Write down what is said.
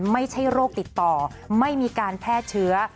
ไม่ใช่โรคติดต่อไม่มีการแพร่เชื้อ